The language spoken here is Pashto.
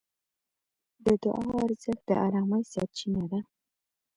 د دعا ارزښت د ارامۍ سرچینه ده.